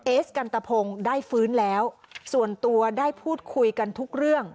เอสกันตะพงได้ฟื้นแล้วส่วนตัวได้พูดคุยกันทุกเรื่อง